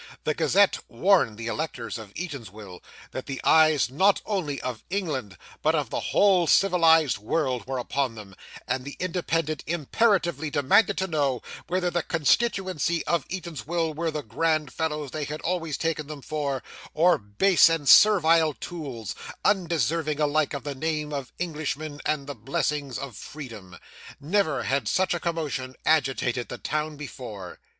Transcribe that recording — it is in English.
The Gazette warned the electors of Eatanswill that the eyes not only of England, but of the whole civilised world, were upon them; and the Independent imperatively demanded to know, whether the constituency of Eatanswill were the grand fellows they had always taken them for, or base and servile tools, undeserving alike of the name of Englishmen and the blessings of freedom. Never had such a commotion agitated the town before.